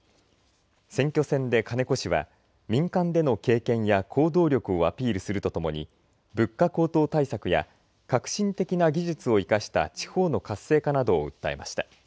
選挙戦で金子氏は民間での経験や行動力をアピールするとともに物価高騰対策や革新的な技術を生かした地方の活性化などを訴えました。